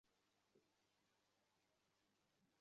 আঘাতজনিত কারণে মৃত্যু, মাথায় আঘাত করা হয়েছিল।